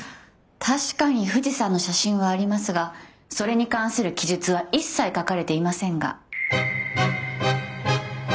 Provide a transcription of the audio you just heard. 確かに富士山の写真はありますがそれに関する記述は一切書かれていませんが。